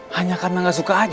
hanya karena gak suka aja